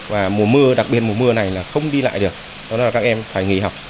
và mùa mưa đặc biệt mùa mưa này là không đi lại được đó là các em phải nghỉ học